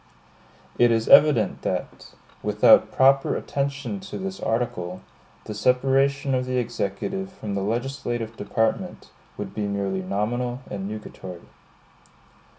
It is evident that, without proper attention to this article, the separation of the executive from the legislative department would be merely nominal and nugatory.